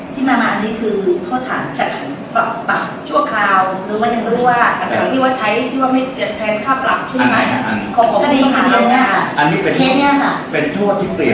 ที่นั่นนี่ก็ถามจากปรับทรัพย์ชั่วคราว